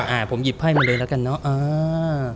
อ่าผมหยิบไพ่มาเลยแล้วกันเนอะอ่า